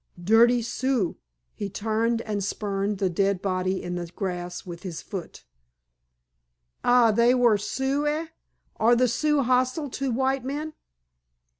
"Dirty Sioux." He turned and spurned the dead body in the grass with his foot. "Ah, they were Sioux, eh? Are the Sioux hostile to white men?"